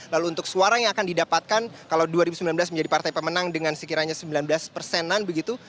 lalu untuk suara yang akan didapatkan kalau dua ribu sembilan belas menjadi partai pemenang dengan sekiranya sembilan belas persenan begitu